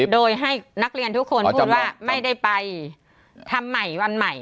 โดยให้นักเรียนทุกคนพูดว่าไม่ได้ไปทำใหม่วันใหม่